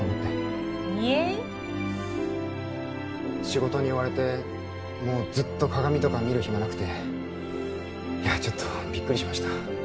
仕事に追われてもうずっと鏡とか見る暇なくていやちょっとビックリしました。